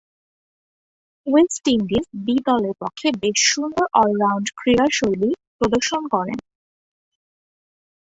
West Indies বি-দলের পক্ষে বেশ সুন্দর অল-রাউন্ড ক্রীড়াশৈলী প্রদর্শন করেন।